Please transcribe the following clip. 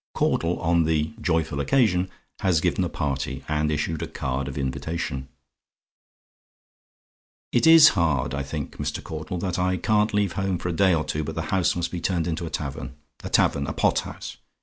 CAUDLE, ON THE "JOYFUL OCCASION," HAS GIVEN A PARTY, AND ISSUED A CARD OF INVITATION "It IS hard, I think, Mr. Caudle, that I can't leave home for a day or two, but the house must be turned into a tavern: a tavern? a pothouse!